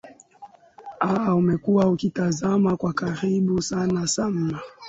aa umekuwa ukitazama kwa karibu sana namna